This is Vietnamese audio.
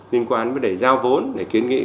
liên quan với đề giao vốn để kiến nghị